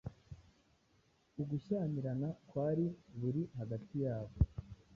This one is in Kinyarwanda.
ugushyamiran kwari buri hagati ya bo